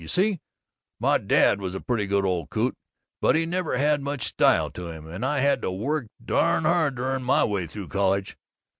You see My dad was a pretty good old coot, but he never had much style to him, and I had to work darn hard to earn my way through college.